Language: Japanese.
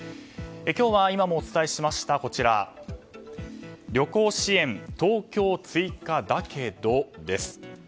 今日は、今もお伝えしました旅行支援、東京追加だけどです。